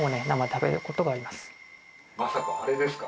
まさかあれですか？